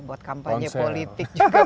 buat kampanye politik juga